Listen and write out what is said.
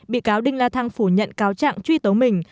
bị cáo đinh la thăng phủ nhận cáo trạng truy tố mình